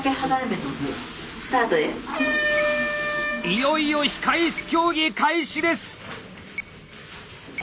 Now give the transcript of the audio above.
いよいよ「控え室競技」開始です！